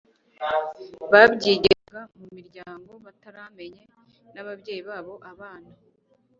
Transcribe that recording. babyigiraga mu miryango bataramanye n'ababyeyi babo. abana